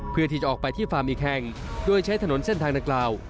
เพื่อที่จะออกไปที่ฟาร์มอีกแห่งโดยใช้ถนนเส้นทางดังกล่าว